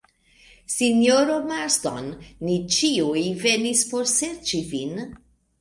Sinjoro Marston, ni ĉiuj venis por serĉi vin.